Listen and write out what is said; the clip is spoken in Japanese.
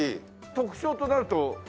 特徴となると？